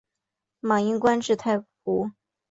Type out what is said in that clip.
马英官至太仆。